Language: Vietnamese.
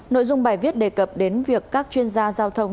nội dung bài viết đề cập đến việc các chuyên gia giao thông